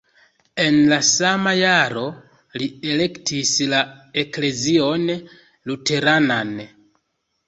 En la sama jaro li elektis la eklezion luteranan.